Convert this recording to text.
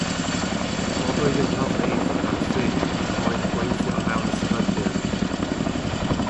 Roddwyd y cyfle iddo gan ffrind a oedd yn gweithio o fewn y sefydliad.